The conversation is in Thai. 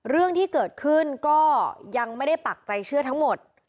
เรื่องที่เกิดขึ้นก็ยังไม่ได้ปักใจเชื่อทั้งหมด